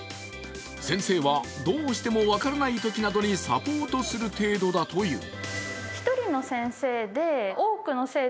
先生は、どうしても分からないときなどにサポートする程度だという。